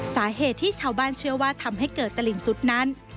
สาเหตุที่ชาวบ้านเชื่อว่าทำให้เกิดตลิ่งสุดนั้น